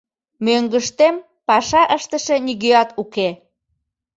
Мӧҥгыштем паша ыштыше нигӧат уке...